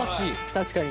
確かに。